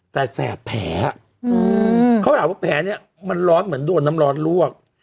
แต่แสบแผลเขาถามว่าแผลเนี่ยมันร้อนเหมือนโดนน้ำร้อนลวก